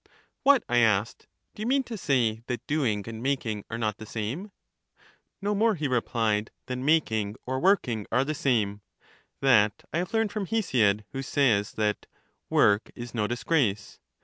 What! I asked; do you mean to say that doing and making are not the same? Digitized by VjOOQ IC 22 CHARMIDES No more, he replied, than making or working are the same: that I have learned from Hesiod, who says that "work is no disgrace."